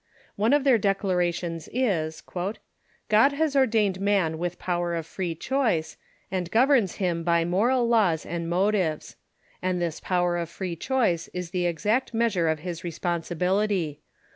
One of their declara tions is :" God has ordained man with power of free choice, and governs him by moral laws and motives ; and this power of free choice is the exact measure of his responsibility.